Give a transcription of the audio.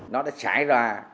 nó đã xảy ra